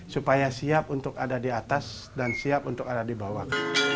supaya siap untuk ada di atas dan siap untuk ada di bawah